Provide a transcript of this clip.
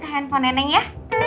kita handphone nenek ya